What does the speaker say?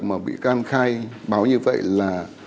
mà bị can khai báo như vậy là